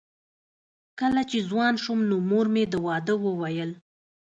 کله چې ځوان شوم نو مور مې د واده وویل